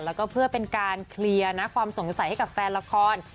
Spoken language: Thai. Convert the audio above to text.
แล้วก็เพื่อเป็นการเคลียร์นะความสงสัยให้กับแฟนละคร